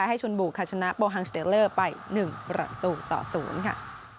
แล้วก็เป็นประตูขาชนะโป้ฮังสเตลเลอร์ไป๑ประตูต่อ๐ค่ะ